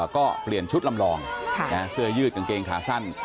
ก็เปลี่ยนชุดลำลองเสื้อยืดกางเกงขาสั้น